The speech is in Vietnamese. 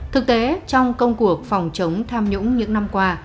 thực tế trong công cuộc phòng chống tham nhũng những năm qua